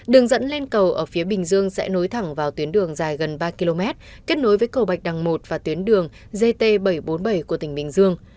đường dẫn lên cầu ở phía bình dương sẽ nối thẳng vào tuyến đường dài gần ba km kết nối với cầu bạch đằng một và tuyến đường gt bảy trăm bốn mươi bảy của tỉnh bình dương